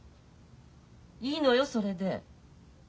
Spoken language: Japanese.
いいのよそれで。